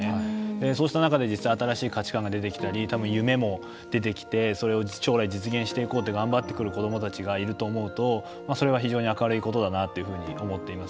そうした中で新しい価値観が出てきたりたぶん、夢も出てきてそれを将来実現しようと頑張ってくる子どもたちがいると思うとそれは非常に明るいことだなと思います。